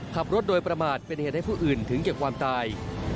ขับรถโดยประมาทเป็นเหตุให้ผู้อื่นถึงแก่ความตาย